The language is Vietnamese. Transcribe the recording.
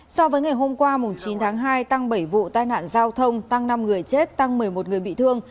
so với ngày hôm qua chín tháng hai tăng bảy vụ tai nạn giao thông tăng năm người chết tăng một mươi một người bị thương